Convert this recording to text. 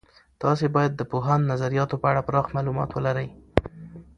تاسې باید د پوهاند نظریاتو په اړه پراخ معلومات ولرئ.